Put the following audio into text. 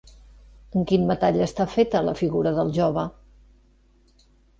En quin metall està feta la figura del jove?